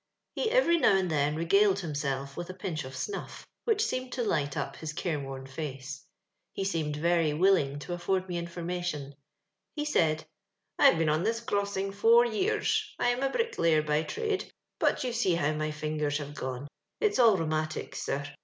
He every now and then regaled himself with a pinch of snuff, which seemed to light up Ids careworn face. He seemed very will iiig to afford me information. He said :—" I have been on this crossing four years. I am a bricklayer by trade ; but you see how my fingers have gone : it's all rheumatics, sir.